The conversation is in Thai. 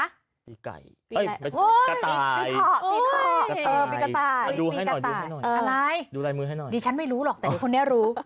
ปีไก่ปีเผาะปีกะตายอะไรดูลายมือให้หน่อยดิฉันไม่รู้หรอกแต่ดูคนนี้รู้